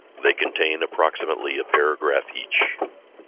They contain approximately a paragraph each.